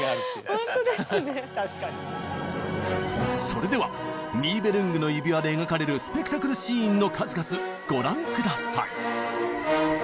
それでは「ニーベルングの指環」で描かれるスペクタクルシーンの数々ご覧下さい。